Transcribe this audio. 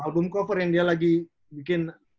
album cover yang dia lagi bikin